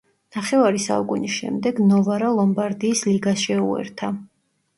ნახევარი საუკუნის შემდეგ ნოვარა ლომბარდიის ლიგას შეუერთა.